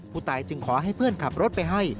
จึงขอให้เพื่อนขับรถไปให้